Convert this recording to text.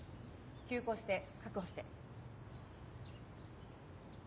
急行して確保して。